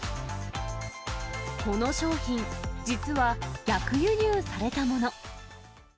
この商品、実は逆輸入されたもの。